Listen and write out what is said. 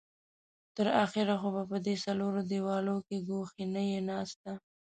تر اخره خو به په دې څلورو دېوالو کې ګوښې نه يې ناسته.